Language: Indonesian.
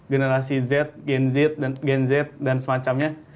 generasi z gen z dan semacamnya